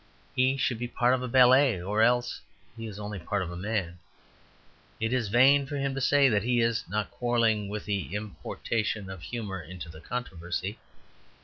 He should be part of a ballet, or else he is only part of a man. It is in vain for him to say that he is "not quarrelling with the importation of humour into the controversy."